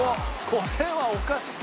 これはおかしい。